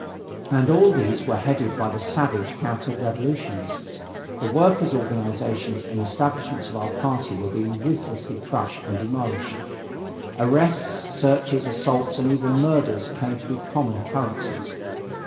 And all these were headed by the savage counter revolutionists. The workers' organizations and establishments of our party were being ruthlessly crushed and demolished. Arrests, searches, assaults and even murders came to be common occurrences.